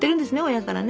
親からね。